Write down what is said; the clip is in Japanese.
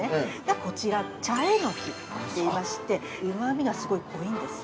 こちら、茶えのきといいましてうまみがすごい濃いんです。